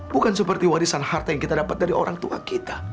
bukan seperti warisan harta yang kita dapat dari orang tua kita